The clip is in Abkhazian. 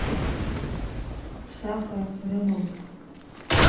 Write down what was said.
Саха рымам.